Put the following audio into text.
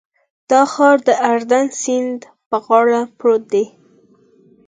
دا ښار د اردن سیند په غاړه پروت دی.